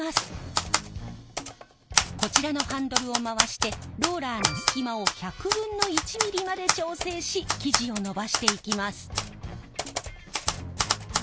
こちらのハンドルを回してローラーの隙間を１００分の１ｍｍまで調整し生地を延ばしていきます。